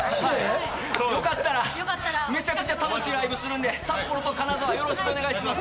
よかったら、めちゃくちゃ楽しいライブするんで、札幌と金沢、よろしくお願いします！